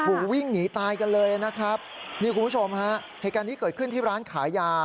โอ้โหวิ่งหนีตายกันเลยนะครับนี่คุณผู้ชมฮะเหตุการณ์นี้เกิดขึ้นที่ร้านขายยา